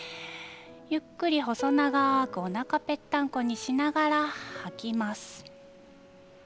薄く細長くおなかをぺったんこにしながら息を吐きます。